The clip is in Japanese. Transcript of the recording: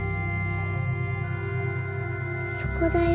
・そこだよ。